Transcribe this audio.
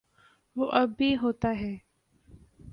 وہ اب بھی ہوتا ہے۔